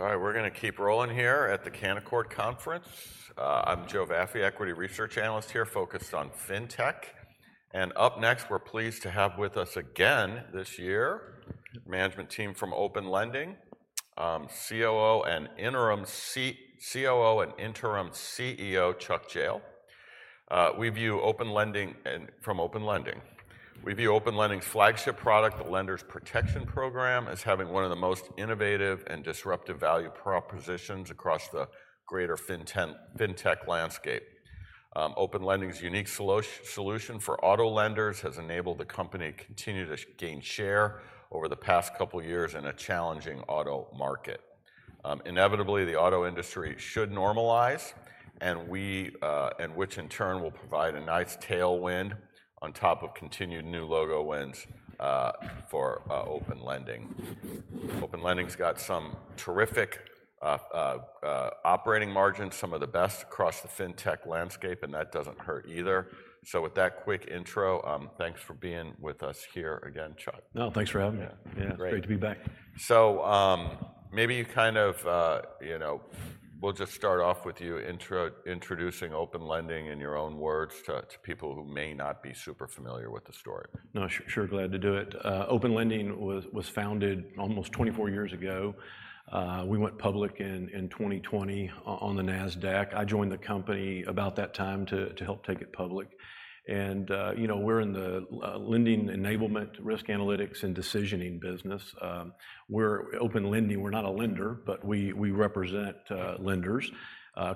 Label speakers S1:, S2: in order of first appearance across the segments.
S1: All right, we're gonna keep rolling here at the Canaccord Conference. I'm Joe Vafi, equity research analyst here, focused on fintech. And up next, we're pleased to have with us again this year, management team from Open Lending, COO and interim CEO, Chuck Jehl. We view Open Lending's flagship product, the Lenders Protection program, as having one of the most innovative and disruptive value propositions across the greater fintech landscape. Open Lending's unique solution for auto lenders has enabled the company to continue to gain share over the past couple of years in a challenging auto market. Inevitably, the auto industry should normalize, and which in turn will provide a nice tailwind on top of continued new logo wins, for Open Lending. Open Lending's got some terrific, operating margins, some of the best across the fintech landscape, and that doesn't hurt either. So with that quick intro, thanks for being with us here again, Chuck.
S2: No, thanks for having me.
S1: Yeah, great.
S2: Yeah, it's great to be back.
S1: So, maybe you kind of, you know, we'll just start off with you introducing Open Lending in your own words to people who may not be super familiar with the story.
S2: No, sure, glad to do it. Open Lending was founded almost 24 years ago. We went public in 2020 on the Nasdaq. I joined the company about that time to help take it public. And, you know, we're in the lending enablement, risk analytics, and decisioning business. Open Lending, we're not a lender, but we represent lenders,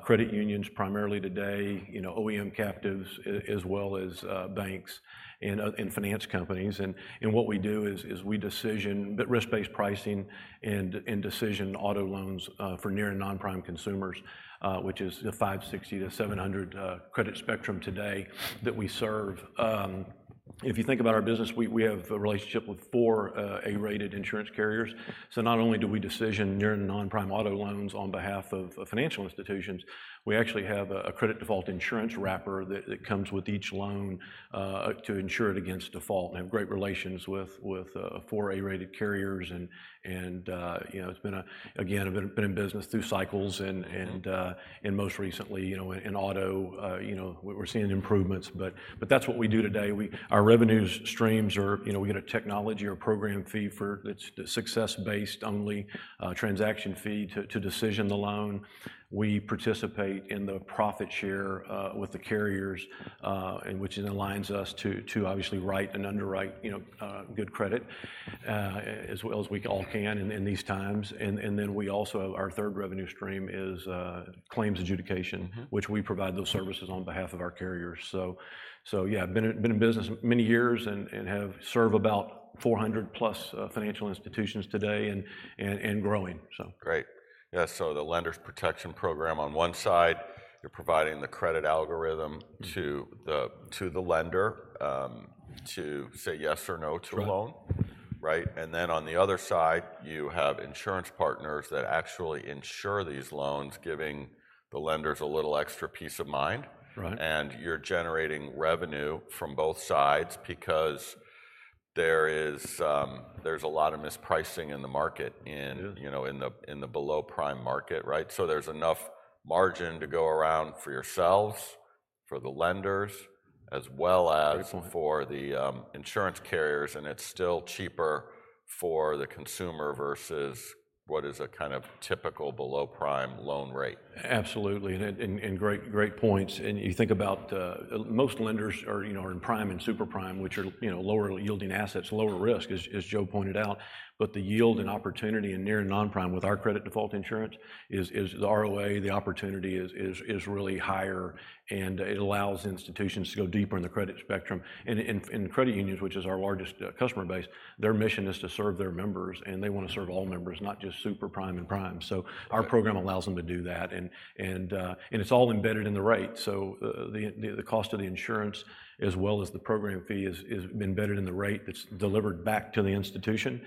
S2: credit unions, primarily today, you know, OEM captives, as well as banks and finance companies. And what we do is we decision risk-based pricing and decision auto loans for near and non-prime consumers, which is the 560-700 credit spectrum today that we serve. If you think about our business, we have a relationship with four A-rated insurance carriers. So not only do we decision near-prime and non-prime auto loans on behalf of financial institutions, we actually have a credit default insurance wrapper that comes with each loan to insure it against default and have great relations with four A-rated carriers. And you know, it's been a... Again, I've been in business through cycles and most recently, you know, in auto, you know, we're seeing improvements. But that's what we do today. Our revenues streams are, you know, we get a technology or program fee for... It's success based only, transaction fee to decision the loan. We participate in the profit share with the carriers, and which then aligns us to obviously write and underwrite, you know, good credit as well as we all can in these times. And then we also, our third revenue stream is claims adjudication-
S1: Mm-hmm.
S2: -which we provide those services on behalf of our carriers. So, yeah, been in business many years and have served about 400+ financial institutions today and growing, so.
S1: Great. Yeah, so the Lenders Protection program, on one side, you're providing the credit algorithm to the-
S2: Mm.
S1: -to the lender, to say yes or no to a loan.
S2: Right.
S1: Right? And then on the other side, you have insurance partners that actually insure these loans, giving the lenders a little extra peace of mind.
S2: Right.
S1: You're generating revenue from both sides because there is, there's a lot of mispricing in the market.
S2: Mm.
S1: in, you know, in the below-prime market, right? So there's enough margin to go around for yourselves, for the lenders, as well as-
S2: Absolutely...
S1: for the insurance carriers, and it's still cheaper for the consumer versus what is a kind of typical below-prime loan rate.
S2: Absolutely, and great, great points. You think about most lenders, you know, are in prime and super prime, which are, you know, lower yielding assets, lower risk, as Joe pointed out. But the yield and opportunity in near and non-prime with our credit default insurance is really higher, and it allows institutions to go deeper in the credit spectrum. And credit unions, which is our largest customer base, their mission is to serve their members, and they wanna serve all members, not just super prime and prime.
S1: Right.
S2: So our program allows them to do that, and it's all embedded in the rate. So the cost of the insurance as well as the program fee is embedded in the rate that's delivered back to the institution.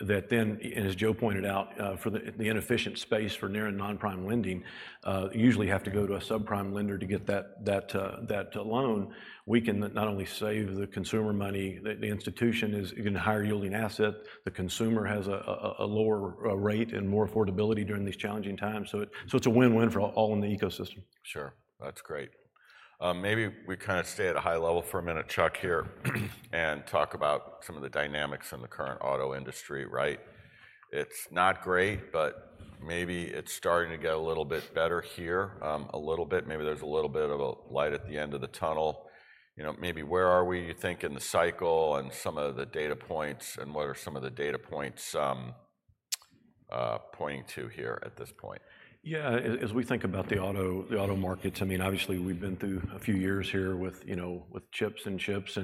S2: That, and as Joe pointed out, for the inefficient space for near and non-prime lending, you usually have to go to a subprime lender to get that loan. We can not only save the consumer money, the institution is, again, a higher-yielding asset. The consumer has a lower rate and more affordability during these challenging times. So it's a win-win for all in the ecosystem.
S1: Sure. That's great. Maybe we kind of stay at a high level for a minute, Chuck, here, and talk about some of the dynamics in the current auto industry, right? It's not great, but maybe it's starting to get a little bit better here, a little bit. Maybe there's a little bit of a light at the end of the tunnel. You know, maybe where are we, you think, in the cycle and some of the data points, and what are some of the data points pointing to here at this point?
S2: Yeah, as we think about the auto markets, I mean, obviously, we've been through a few years here with, you know, with chips and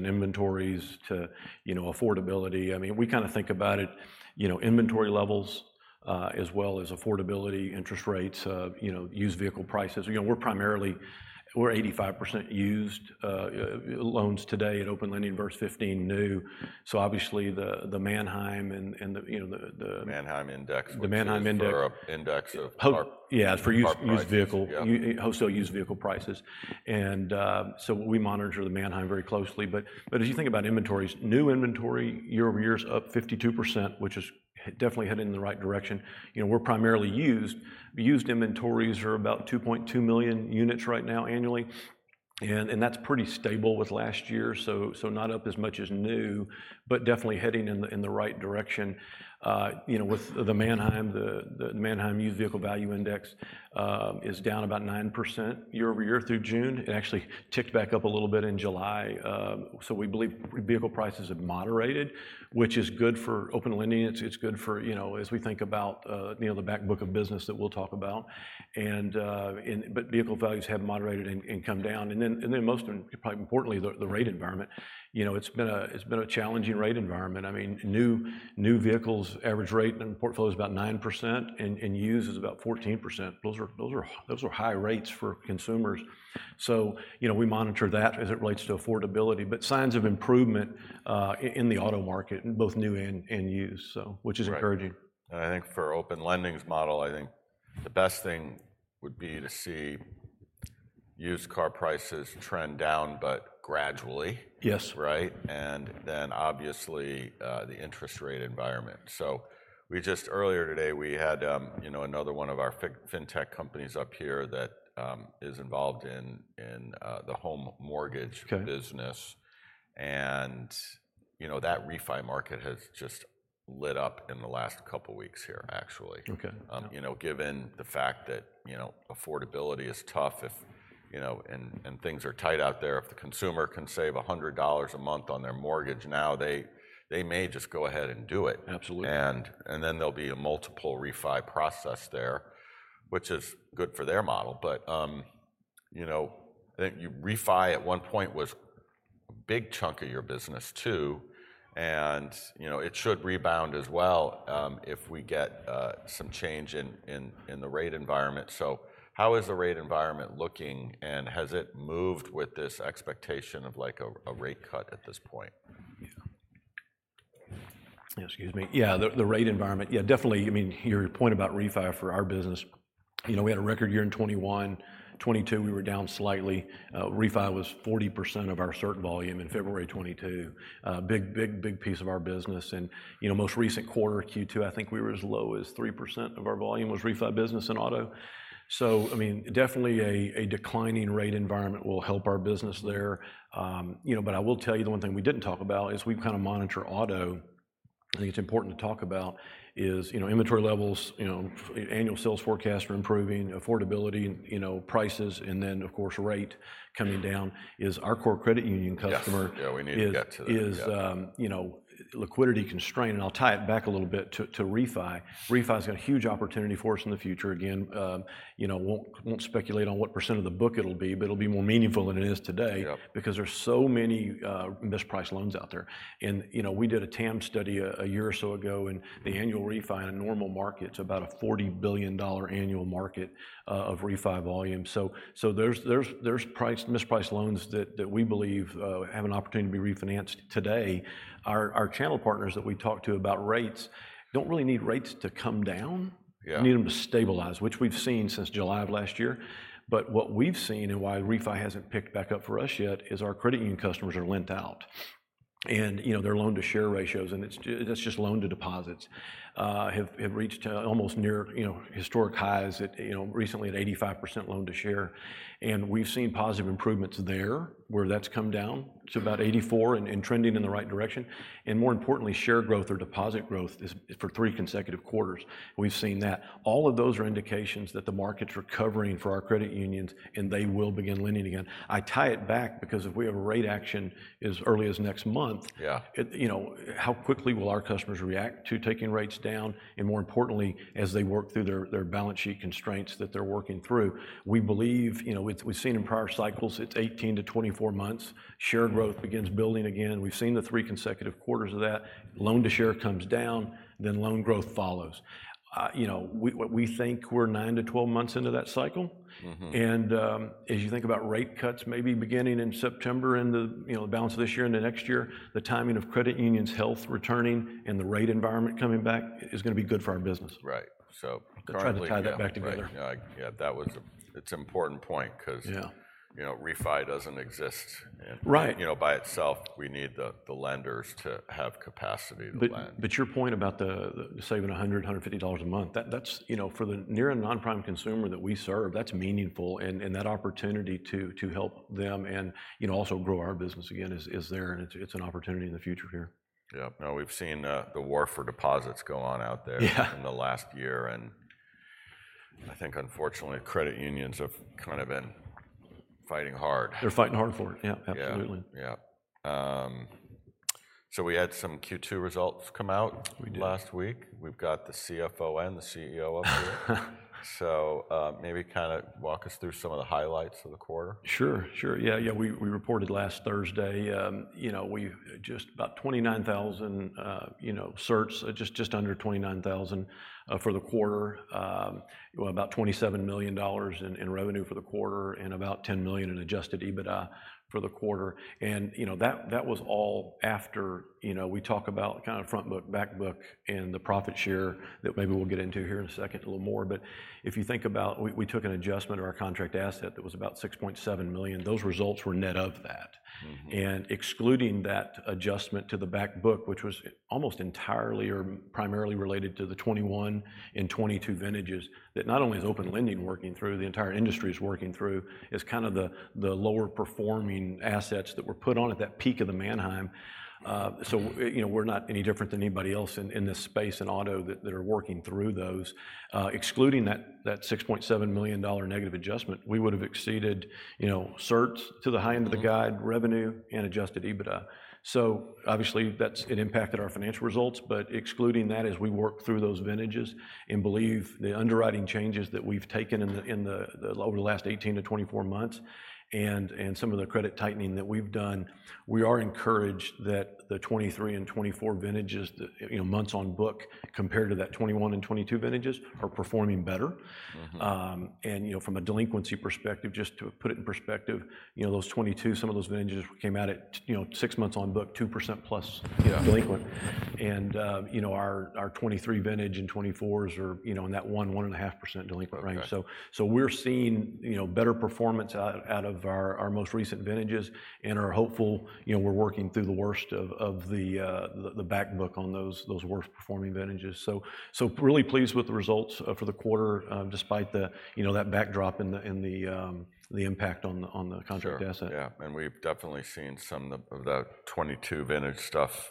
S2: inventories to, you know, affordability. I mean, we kinda think about it, you know, inventory levels, as well as affordability, interest rates, you know, used vehicle prices. You know, we're primarily 85% used loans today at Open Lending versus 15 new. So obviously, the Manheim and the, you know, the.
S1: Manheim Index, which is-
S2: The Manheim Index...
S1: index of car-
S2: Yeah...
S1: used prices.
S2: For used vehicle-
S1: Yeah...
S2: wholesale used vehicle prices. And, so we monitor the Manheim very closely. But as you think about inventories, new inventory year-over-year is up 52%, which is definitely headed in the right direction. You know, we're primarily used. Used inventories are about 2.2 million units right now annually. And that's pretty stable with last year, so not up as much as new, but definitely heading in the right direction. You know, with the Manheim, the Manheim Used Vehicle Value Index is down about 9% year-over-year through June. It actually ticked back up a little bit in July. So we believe vehicle prices have moderated, which is good for Open Lending. It's good for, you know, as we think about the back book of business that we'll talk about. But vehicle values have moderated and come down, and then most importantly, the rate environment. You know, it's been a challenging rate environment. I mean, new vehicles' average rate and portfolio is about 9% and used is about 14%. Those are high rates for consumers. So, you know, we monitor that as it relates to affordability, but signs of improvement in the auto market, in both new and used, so which is encouraging.
S1: Right. And I think for Open Lending's model, I think the best thing would be to see used car prices trend down, but gradually.
S2: Yes.
S1: Right? And then obviously, the interest rate environment. So we just, earlier today, we had, you know, another one of our fintech companies up here that is involved in the home mortgage-
S2: Okay...
S1: business. You know, that refi market has just lit up in the last couple weeks here, actually.
S2: Okay.
S1: You know, given the fact that, you know, affordability is tough, if, you know... and things are tight out there, if the consumer can save $100 a month on their mortgage now, they may just go ahead and do it.
S2: Absolutely.
S1: And then there'll be a multiple refi process there, which is good for their model, but you know, I think refi at one point was a big chunk of your business, too, and you know, it should rebound as well, if we get some change in the rate environment. So how is the rate environment looking, and has it moved with this expectation of like a rate cut at this point?
S2: Yeah. Excuse me. Yeah, the rate environment, yeah, definitely, I mean, your point about refi for our business, you know, we had a record year in 2021. 2022, we were down slightly. Refi was 40% of our cert volume in February 2022. Big, big, big piece of our business and, you know, most recent quarter, Q2, I think we were as low as 3% of our volume was refi business and auto. So, I mean, definitely, a declining rate environment will help our business there. You know, but I will tell you, the one thing we didn't talk about is we kind of monitor auto. I think it's important to talk about is, you know, inventory levels, you know, annual sales forecast are improving, affordability, you know, prices, and then, of course, rate coming down. Is our core credit union customer-
S1: Yes. Yeah, we need to get to that. Yeah....
S2: is you know, liquidity constrained, and I'll tie it back a little bit to refi. Refi's got a huge opportunity for us in the future again. You know, won't speculate on what percent of the book it'll be, but it'll be more meaningful than it is today-
S1: Yep...
S2: because there's so many mispriced loans out there. And, you know, we did a TAM study a year or so ago, and the annual refi in a normal market, so about a $40 billion annual market of refi volume. So there's mispriced loans that we believe have an opportunity to be refinanced today. Our channel partners that we talk to about rates don't really need rates to come down-
S1: Yeah...
S2: need them to stabilize, which we've seen since July of last year. But what we've seen, and why refi hasn't picked back up for us yet, is our credit union customers are lent out. And, you know, their loan-to-share ratios, and it's just loan to deposits, have reached almost near, you know, historic highs at, you know, recently at 85% loan to share. And we've seen positive improvements there, where that's come down to about 84 and trending in the right direction, and more importantly, share growth or deposit growth is, for 3 consecutive quarters, we've seen that. All of those are indications that the market's recovering for our credit unions, and they will begin lending again. I tie it back because if we have a rate action as early as next month-
S1: Yeah...
S2: it, you know, how quickly will our customers react to taking rates down? And more importantly, as they work through their balance sheet constraints that they're working through. We believe, you know, we've seen in prior cycles, it's 18-24 months, share growth begins building again. We've seen the three consecutive quarters of that. Loan to share comes down, then loan growth follows. You know, we think we're 9-12 months into that cycle.
S1: Mm-hmm.
S2: As you think about rate cuts maybe beginning in September, in the, you know, balance of this year and the next year, the timing of credit unions' health returning and the rate environment coming back is gonna be good for our business.
S1: Right. So currently-
S2: Try to tie that back together.
S1: Right. Yeah, yeah, it's an important point 'cause-
S2: Yeah ...
S1: you know, refi doesn't exist-
S2: Right...
S1: you know, by itself. We need the lenders to have capacity to lend.
S2: But your point about the saving $150 a month, that's, you know, for the near-prime and non-prime consumer that we serve, that's meaningful. And that opportunity to help them and, you know, also grow our business again is there, and it's an opportunity in the future here.
S1: Yep. No, we've seen the war for deposits go on out there-
S2: Yeah...
S1: in the last year, and I think unfortunately, credit unions have kind of been fighting hard.
S2: They're fighting hard for it. Yep, absolutely.
S1: Yeah. Yeah. So we had some Q2 results come out-
S2: We did.
S1: -last week. We've got the CFO and the CEO up here. So, maybe kind of walk us through some of the highlights of the quarter.
S2: Sure, sure. Yeah, yeah, we, we reported last Thursday, you know, we just about 29,000, you know, certs, just, just under 29,000, for the quarter. About $27 million in, in revenue for the quarter, and about $10 million in Adjusted EBITDA for the quarter. And, you know, that, that was all after, you know, we talk about kind of front book, back book, and the profit share, that maybe we'll get into here in a second a little more. But if you think about we took an adjustment of our contract asset that was about $6.7 million. Those results were net of that.
S1: Mm-hmm.
S2: Excluding that adjustment to the back book, which was almost entirely or primarily related to the 2021 and 2022 vintages, that not only is Open Lending working through, the entire industry is working through, is kind of the lower performing assets that were put on at that peak of the Manheim. So, you know, we're not any different than anybody else in this space in auto that are working through those. Excluding that $6.7 million negative adjustment, we would have exceeded, you know, certs to the high end of the guide, revenue, and Adjusted EBITDA. So obviously, that's... It impacted our financial results, but excluding that, as we work through those vintages, and believe the underwriting changes that we've taken over the last 18-24 months, and some of the credit tightening that we've done, we are encouraged that the 2023 and 2024 vintages, you know, months on book, compared to that 2021 and 2022 vintages, are performing better.
S1: Mm-hmm.
S2: you know, from a delinquency perspective, just to put it in perspective, you know, those 2022, some of those vintages came out at, you know, six months on book, 2% plus-
S1: Yeah...
S2: delinquent. And, you know, our 2023 vintage and 2024s are, you know, in that 1%-1.5% delinquent range.
S1: Right.
S2: So we're seeing, you know, better performance out of our most recent vintages and are hopeful... You know, we're working through the worst of the back book on those worst-performing vintages. So really pleased with the results for the quarter, despite the, you know, that backdrop and the impact on the contract asset.
S1: Sure. Yeah, and we've definitely seen some of that 2022 vintage stuff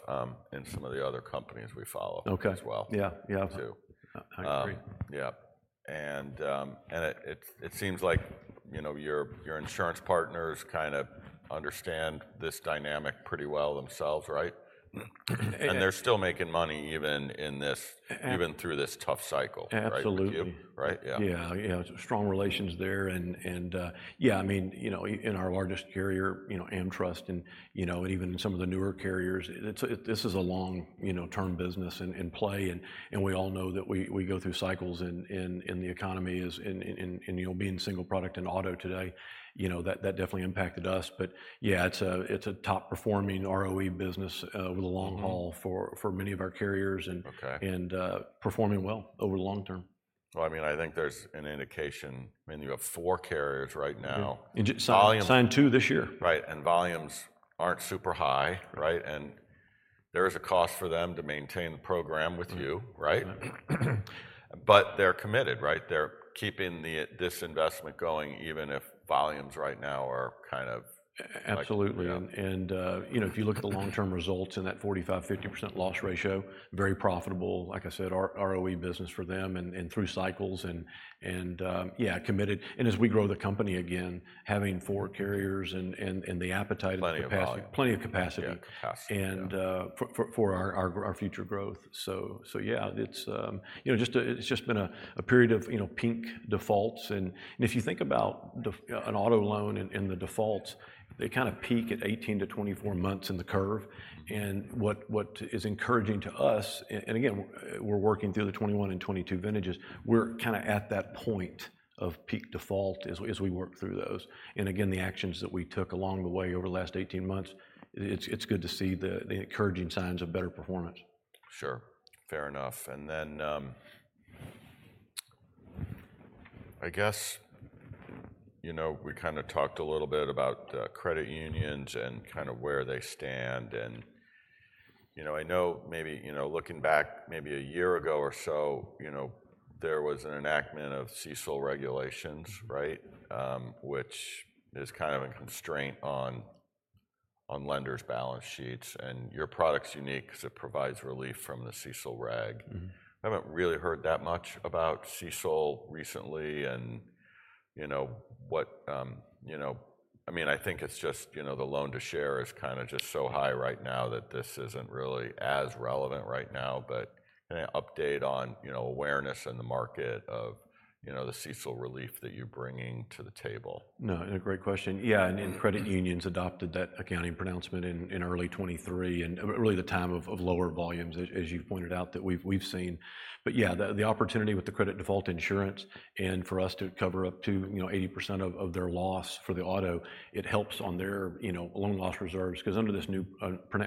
S1: in some of the other companies we follow-
S2: Okay...
S1: as well.
S2: Yeah, yeah.
S1: Too.
S2: I agree.
S1: Yeah. And it seems like, you know, your insurance partners kind of understand this dynamic pretty well themselves, right?
S2: Mm-hmm. And-
S1: They're still making money, even in this-
S2: And-
S1: even through this tough cycle
S2: Absolutely.
S1: Right? Right. Yeah.
S2: Yeah, yeah, strong relations there. And, and, yeah, I mean, you know, in our largest carrier, you know, AmTrust, and, you know, and even in some of the newer carriers, it's this is a long, you know, term business and in play, and, and we all know that we go through cycles in the economy, as in, you know, being single product and auto today, you know, that definitely impacted us. But yeah, it's a top-performing ROE business with the long-
S1: Mm-hmm...
S2: haul for, for many of our carriers, and-
S1: Okay...
S2: and performing well over the long term.
S1: Well, I mean, I think there's an indication, I mean, you have four carriers right now.
S2: Yeah.
S1: Volumes-
S2: J- Signed, signed 2 this year.
S1: Right, and volumes aren't super high, right? And there is a cost for them to maintain the program with you-
S2: Mm...
S1: right? But they're committed, right? They're keeping the, this investment going, even if volumes right now are kind of like-
S2: A-absolutely.
S1: Yeah.
S2: You know, if you look at the long-term results and that 45%-50% loss ratio, very profitable, like I said, ROE business for them and through cycles, yeah, committed. As we grow the company again, having four carriers and the appetite and capacity-
S1: Plenty of capacity....
S2: Plenty of capacity.
S1: Yeah, capacity.
S2: For our future growth. So yeah, it's you know just been a period of you know peak defaults. And if you think about an auto loan and the defaults, they kind of peak at 18-24 months in the curve.
S1: Mm.
S2: What is encouraging to us, and again, we're working through the 2021 and 2022 vintages, we're kind of at that point of peak default as we work through those. And again, the actions that we took along the way over the last 18 months, it's good to see the encouraging signs of better performance.
S1: Sure. Fair enough. Then, I guess, you know, we kind of talked a little bit about credit unions and kind of where they stand. You know, I know maybe, you know, looking back maybe a year ago or so, you know, there was an enactment of CECL regulations, right?
S2: Mm.
S1: which is kind of a constraint on lenders' balance sheets, and your product's unique because it provides relief from the CECL reg.
S2: Mm-hmm.
S1: I haven't really heard that much about CECL recently, and, you know what, you know, I mean, I think it's just, you know, the loan to share is kind of just so high right now that this isn't really as relevant right now, but any update on, you know, awareness in the market of, you know, the CECL relief that you're bringing to the table?
S2: No, and a great question. Yeah, credit unions adopted that accounting pronouncement in early 2023, and really the time of lower volumes, as you pointed out, that we've seen. But yeah, the opportunity with the credit default insurance, and for us to cover up to, you know, 80% of their loss for the auto, it helps on their, you know, loan loss reserves. Because under this new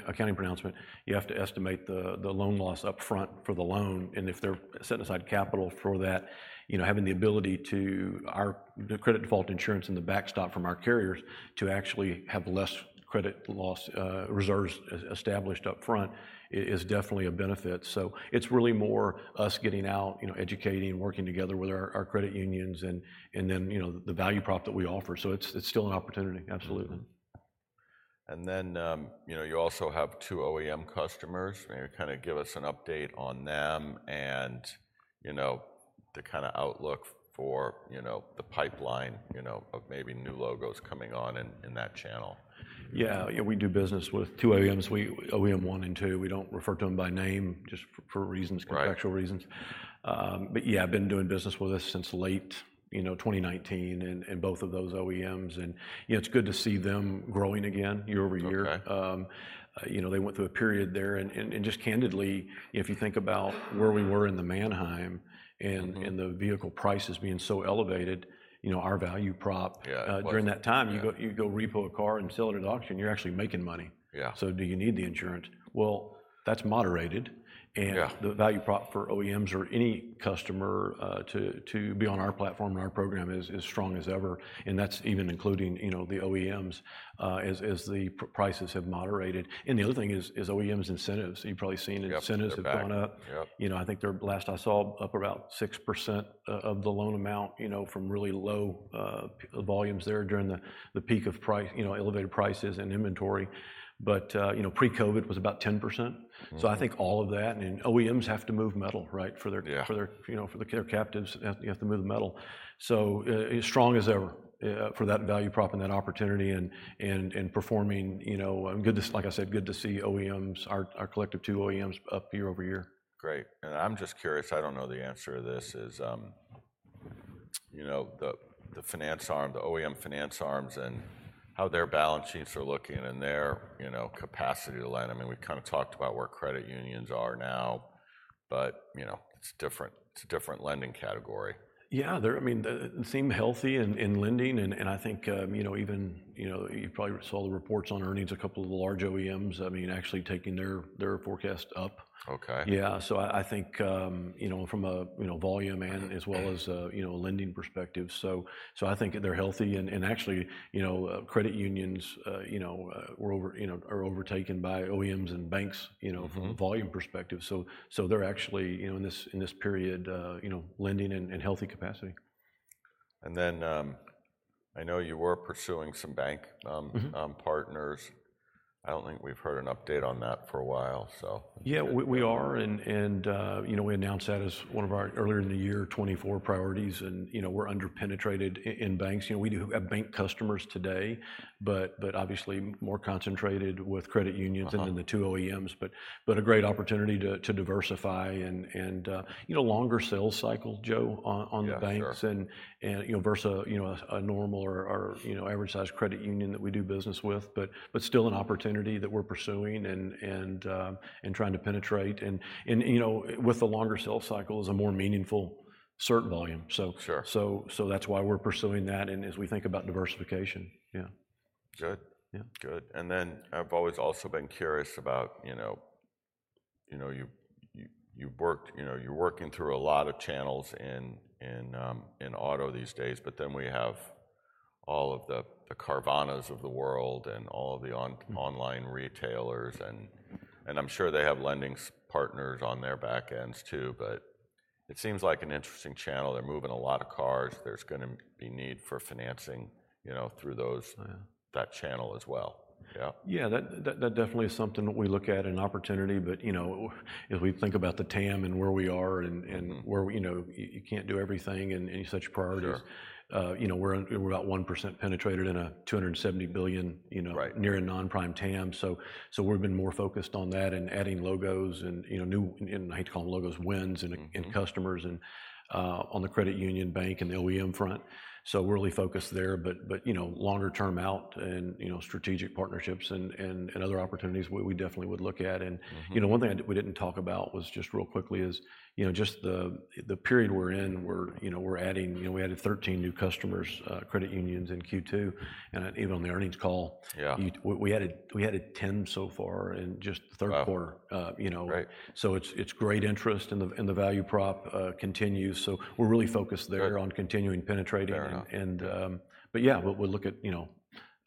S2: accounting pronouncement, you have to estimate the loan loss upfront for the loan, and if they're setting aside capital for that, you know, having the ability to. Our credit default insurance and the backstop from our carriers, to actually have less credit loss reserves established upfront is definitely a benefit. So it's really more us getting out, you know, educating, working together with our credit unions and then, you know, the value prop that we offer. So it's still an opportunity, absolutely.
S1: And then, you know, you also have two OEM customers. Maybe kind of give us an update on them and, you know, the kind of outlook for, you know, the pipeline, you know, of maybe new logos coming on in that channel?
S2: Yeah. Yeah, we do business with two OEMs, we call them OEM one and two. We don't refer to 'em by name, just for reasons-
S1: Right...
S2: contractual reasons. But yeah, been doing business with us since late, you know, 2019, and both of those OEMs, and, you know, it's good to see them growing again year-over-year.
S1: Okay.
S2: You know, they went through a period there, and just candidly, if you think about where we were in the Manheim-
S1: Mm-hmm...
S2: and the vehicle prices being so elevated, you know, our value prop-
S1: Yeah, it was....
S2: during that time, you go, you go repo a car and sell it at auction, you're actually making money.
S1: Yeah.
S2: So do you need the insurance? Well, that's moderated, and-
S1: Yeah...
S2: the value prop for OEMs or any customer to be on our platform and our program is strong as ever, and that's even including, you know, the OEMs, as the prices have moderated. And the other thing is OEMs incentives. You've probably seen-
S1: Yep, seen that....
S2: incentives have gone up.
S1: Yep.
S2: You know, I think they're, last I saw, up about 6% of the loan amount, you know, from really low volumes there during the peak of price, you know, elevated prices and inventory. But, you know, pre-COVID was about 10%.
S1: Mm.
S2: I think all of that, and OEMs have to move metal, right, for their-
S1: Yeah...
S2: for their, you know, for the captives, they have to move the metal. So, as strong as ever, for that value prop and that opportunity and, and, and performing, you know, good to, like I said, good to see OEMs, our, our collective two OEMs, up year-over-year.
S1: Great. I'm just curious. I don't know the answer to this. Is you know, the finance arm, the OEM finance arms and how their balance sheets are looking and their, you know, capacity to lend? I mean, we've kind of talked about where credit unions are now, but, you know, it's different. It's a different lending category.
S2: Yeah, they're. I mean, they seem healthy in lending, and I think, you know, even, you know, you probably saw the reports on earnings, a couple of the large OEMs, I mean, actually taking their forecast up.
S1: Okay.
S2: Yeah, so I think, you know, from a you know volume and as well as, you know, a lending perspective, so I think they're healthy, and actually, you know, credit unions, you know, are overtaken by OEMs and banks-
S1: Mm-hmm...
S2: you know, from a volume perspective. So, they're actually, you know, in this period, lending in healthy capacity.
S1: And then, I know you were pursuing some bank,
S2: Mm-hmm...
S1: partners. I don't think we've heard an update on that for a while, so.
S2: Yeah, we are, and you know, we announced that as one of our earlier in the year 2024 priorities, and you know, we're under-penetrated in banks. You know, we do have bank customers today, but obviously, more concentrated with credit unions-
S1: Uh-huh...
S2: and then the two OEMs. But a great opportunity to diversify and, you know, longer sales cycle, Joe, on the banks-
S1: Yeah, sure ...
S2: and you know, versus a you know, a normal or you know, average-sized credit union that we do business with. But still an opportunity that we're pursuing and trying to penetrate, and you know, with the longer sales cycle is a more meaningful cert volume. So-
S1: Sure.
S2: So, that's why we're pursuing that, and as we think about diversification. Yeah.
S1: Good.
S2: Yeah.
S1: Good. And then, I've always also been curious about, you know, you've worked, you know, you're working through a lot of channels in auto these days, but then we have all of the Carvanas of the world and all of the online retailers, and I'm sure they have lending partners on their back ends too. But it seems like an interesting channel. They're moving a lot of cars. There's gonna be need for financing, you know, through those-
S2: Yeah...
S1: that channel as well. Yeah.
S2: Yeah, that definitely is something that we look at an opportunity, but, you know, if we think about the TAM and where we are and, and-
S1: Mm...
S2: where we, you know, you can't do everything and any such priority.
S1: Sure.
S2: You know, we're about 1% penetrated in a $270 billion, you know-
S1: Right...
S2: near and non-prime TAM, so, so we've been more focused on that and adding logos and, you know, new, and I hate to call them logos, wins and-
S1: Mm...
S2: and customers and on the credit union bank and the OEM front. So we're really focused there, but you know, longer term out and, you know, strategic partnerships and other opportunities, we definitely would look at and-
S1: Mm-hmm...
S2: you know, one thing I, we didn't talk about was just real quickly is, you know, just the, the period we're in, we're, you know, we're adding, you know, we added 13 new customers, credit unions in Q2, and, even on the earnings call-
S1: Yeah...
S2: we added 10 so far in just the third quarter-
S1: Wow...
S2: you know.
S1: Right.
S2: So it's great interest, and the value prop continues, so we're really focused there-
S1: Good...
S2: on continuing penetrating.
S1: Fair enough.
S2: But yeah, we'll look at, you know,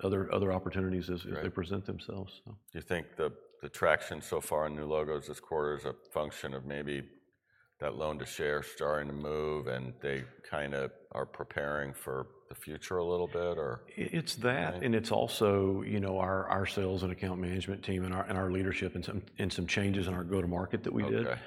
S2: other opportunities as-
S1: Right...
S2: they present themselves, so.
S1: Do you think the traction so far in new logos this quarter is a function of maybe that loan-to-share starting to move, and they kind of are preparing for the future a little bit, or-
S2: It's that
S1: Okay...
S2: and it's also, you know, our sales and account management team and our leadership and some changes in our go-to-market that we did.
S1: Okay.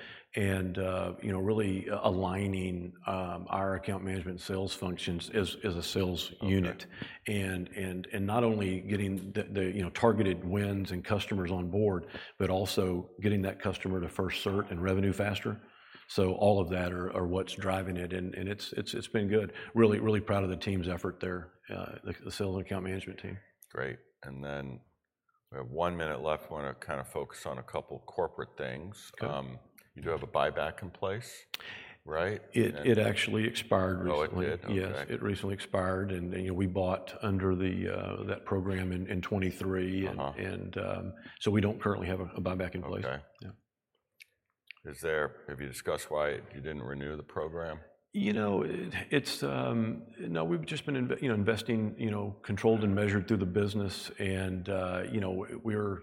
S2: You know, really aligning our account management sales functions as, as a sales unit.
S1: Okay.
S2: And not only getting the you know targeted wins and customers on board, but also getting that customer to first cert and revenue faster. So all of that are what's driving it, and it's been good. Really really proud of the team's effort there, the sales account management team.
S1: Great, and then we have 1 minute left. I wanna kind of focus on a couple corporate things.
S2: Okay.
S1: You do have a buyback in place, right?
S2: It actually expired recently.
S1: Oh, it did?
S2: Yes.
S1: Okay.
S2: It recently expired, and, you know, we bought under the, that program in 2023-
S1: Uh-huh...
S2: and, so we don't currently have a buyback in place.
S1: Okay.
S2: Yeah.
S1: Have you discussed why you didn't renew the program?
S2: You know, it's no, we've just been investing, you know, controlled and measured through the business, and you know, we're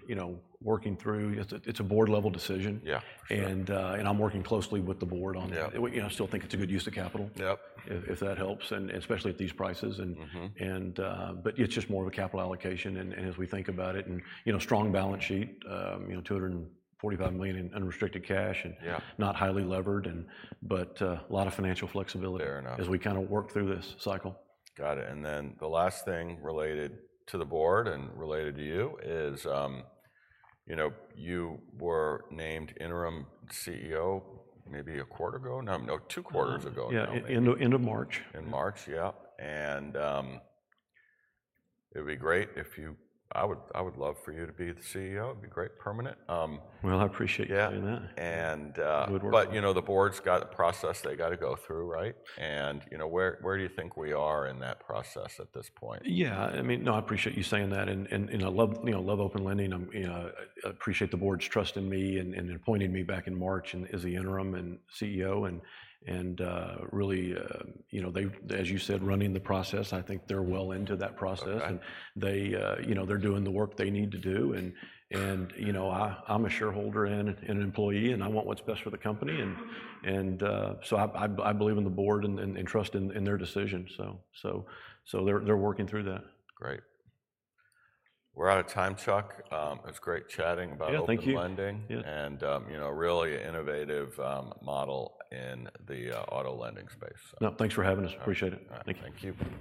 S2: working through. It's a board-level decision.
S1: Yeah, sure.
S2: And I'm working closely with the board on that.
S1: Yeah.
S2: You know, I still think it's a good use of capital-
S1: Yep...
S2: if that helps, and especially at these prices, and-
S1: Mm-hmm...
S2: and, but it's just more of a capital allocation, and as we think about it, and, you know, strong balance sheet, you know, $245 million in unrestricted cash and-
S1: Yeah...
S2: not highly levered, but a lot of financial flexibility-
S1: Fair enough...
S2: as we kinda work through this cycle.
S1: Got it, and then the last thing related to the board and related to you is, you know, you were named interim CEO maybe a quarter ago, no, no, two quarters ago now, maybe.
S2: Yeah, end of March.
S1: In March, yeah, and it'd be great if you... I would love for you to be the CEO. It'd be great, permanent.
S2: Well, I appreciate you-
S1: Yeah...
S2: saying that.
S1: And, uh-
S2: It would work....
S1: but, you know, the board's got a process they gotta go through, right? And, you know, where do you think we are in that process at this point?
S2: Yeah, I mean, no, I appreciate you saying that, and I love, you know, love Open Lending, you know, I appreciate the board's trust in me and appointing me back in March as the interim CEO, and really, you know, they've, as you said, running the process. I think they're well into that process.
S1: Okay.
S2: They, you know, they're doing the work they need to do, and, you know, I'm a shareholder and an employee, and I want what's best for the company. And, so I believe in the board and trust in their decision, so they're working through that.
S1: Great. We're out of time, Chuck. It's great chatting about-
S2: Yeah, thank you....
S1: Open Lending.
S2: Yeah.
S1: You know, a really innovative model in the auto lending space, so.
S2: No, thanks for having us.
S1: All right.
S2: Appreciate it.
S1: All right.
S2: Thank you.